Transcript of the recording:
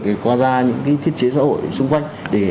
thì qua ra những cái thiết chế xã hội xung quanh